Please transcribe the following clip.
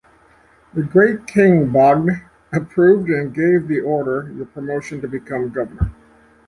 The great king Bogd approved and gave the order your promotion to become governor.